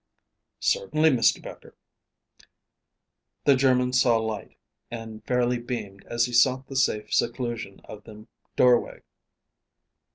"Certainly, Mr. Becher." The German saw light, and fairly beamed as he sought the safe seclusion of the doorway.